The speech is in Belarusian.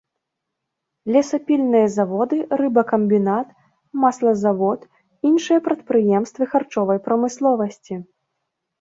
Лесапільныя заводы, рыбакамбінат, маслазавод, іншыя прадпрыемствы харчовай прамысловасці.